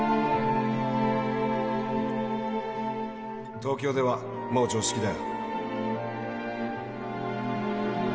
・東京ではもう常識だよ